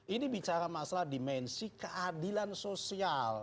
ini bicara masalah dimensi keadilan sosial